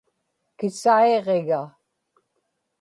kisaiġiga